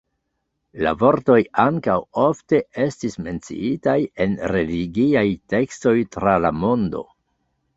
La vortoj ankaŭ ofte estis menciitaj en religiaj tekstoj tra la mondo.